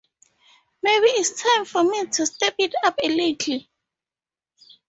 Maybe it's time for me to step it up a little.